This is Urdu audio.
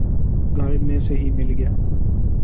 گھر میں سے ہی مل گیا